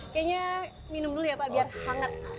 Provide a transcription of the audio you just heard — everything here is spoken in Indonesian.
kayaknya minum dulu ya pak biar hangat